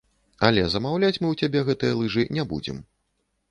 Але замаўляць мы ў цябе гэтыя лыжы не будзем.